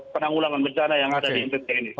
penanggulangan bencana yang ada di indonesia ini